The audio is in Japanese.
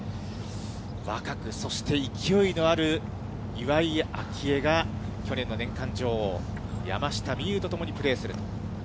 若く、そして勢いのある岩井明愛が、去年の年間女王、山下美夢有と共にプレーすると。